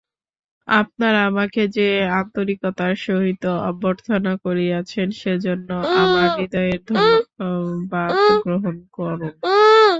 আপনারা আমাকে যে আন্তরিকতার সহিত অভ্যর্থনা করিয়াছেন, সেজন্য আমার হৃদয়ের ধন্যবাদ গ্রহণ করুন।